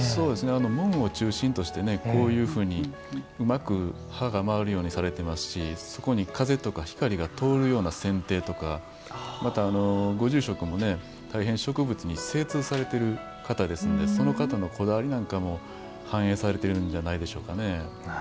門を中心として、うまく葉が舞うようにされていますしそこに風とか光が回るようなせん定とかまた、ご住職も大変、植物に精通されている方ですのでその方のこだわりなんかも反映されているんじゃないでしょうかね。